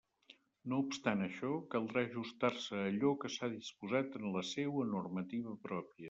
No obstant això, caldrà ajustar-se a allò que s'ha disposat en la seua normativa pròpia.